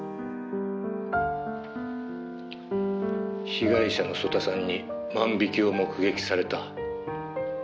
「被害者の曽田さんに万引きを目撃された？」